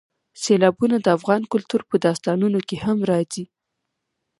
سیلابونه د افغان کلتور په داستانونو کې هم راځي.